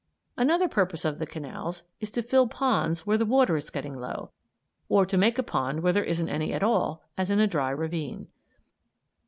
Another purpose of the canals is to fill ponds where water is getting low; or to make a pond where there isn't any at all, as in a dry ravine.